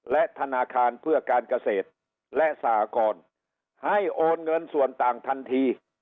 และธนาคารเพื่อการเกษตรและสหกรให้โอนเงินส่วนต่างทันที